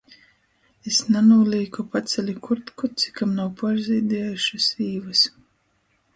Es nanūlīku paceli kurtku, cikom nav puorzīdiejušys īvys.